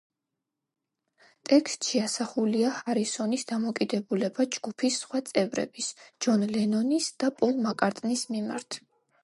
ტექსტში ასახულია ჰარისონის დამოკიდებულება ჯგუფის სხვა წევრების, ჯონ ლენონის და პოლ მაკ-კარტნის მიმართ.